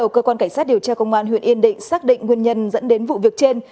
cơ quan cảnh sát điều tra công an huyện yên định xác định nguyên nhân dẫn đến vụ việc trên